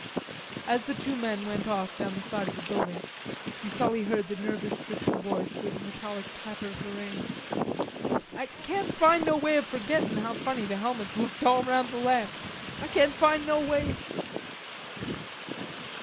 As the two men went off down the side of the building, Fuselli heard the nervous twitching voice through the metallic patter of the rain: "I can't find no way of forgettin' how funny the helmets looked all round the lamp... I can't find no way....